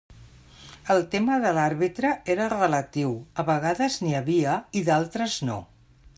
El tema de l'àrbitre era relatiu, a vegades n'hi havia i d'altres no.